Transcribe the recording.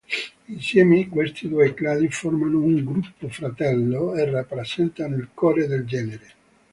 Insieme questi due cladi formano un "gruppo fratello" e rappresentano il "core" del genere.